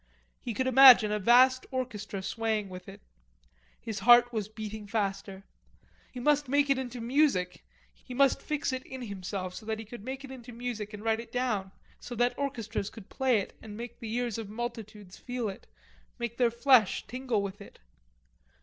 He could imagine a vast orchestra swaying with it. His heart was beating faster. He must make it into music; he must fix it in himself, so that he could make it into music and write it down, so that orchestras could play it and make the ears of multitudes feel it, make their flesh tingle with it.